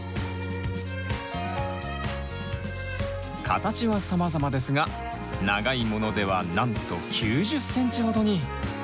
形はさまざまですが長いものではなんと９０ｃｍほどに！